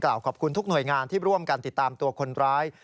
ขอบคุณทุกหน่วยงานที่ร่วมกันติดตามตัวคนร้าย